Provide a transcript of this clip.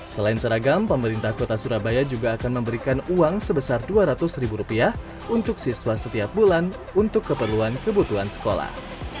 selain seragam pemerintah kota surabaya juga akan memberikan uang sebesar dua ratus ribu rupiah untuk siswa setiap bulan untuk keperluan kebutuhan sekolah